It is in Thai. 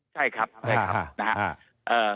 ใช่ครับใช่ครับนะครับ